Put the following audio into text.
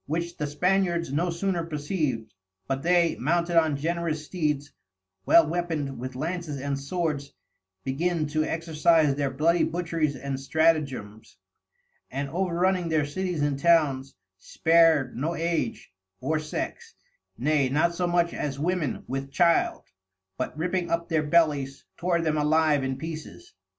Which the Spaniards no sooner perceived, but they, mounted on generous Steeds, well weapon'd with Lances and Swords, begin to exercise their bloody Butcheries and Strategems, and overrunning their Cities and Towns, spar'd no Age, or Sex, nay not so much as Women with Child, but ripping up their Bellies, tore them alive in pieces.